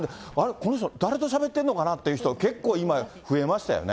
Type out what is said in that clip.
この人、誰としゃべってるのかなっていう人、結構今、増えましたよね。